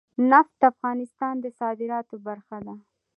نفت د افغانستان د صادراتو برخه ده.